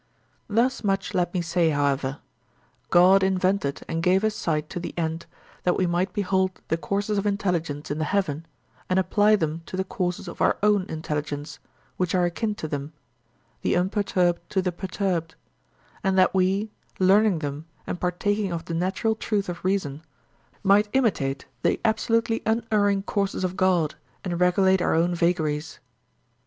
Thus much let me say however: God invented and gave us sight to the end that we might behold the courses of intelligence in the heaven, and apply them to the courses of our own intelligence which are akin to them, the unperturbed to the perturbed; and that we, learning them and partaking of the natural truth of reason, might imitate the absolutely unerring courses of God and regulate our own vagaries.